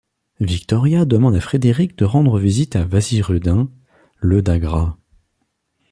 Victoria demande à Frédéric de rendre visite à Waziruddin, le d'Agra.